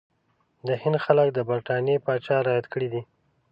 د هند خلک د برټانیې پاچا رعیت دي.